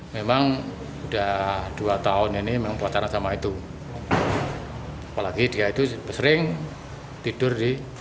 memang sudah dua tahun ini memang pacara sama itu apalagi dia itu sering tidur di